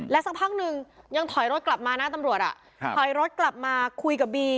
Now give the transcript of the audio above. สักพักหนึ่งยังถอยรถกลับมานะตำรวจถอยรถกลับมาคุยกับบี